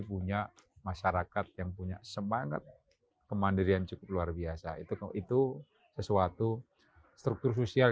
punya masyarakat yang punya semangat kemandirian cukup luar biasa itu sesuatu struktur sosial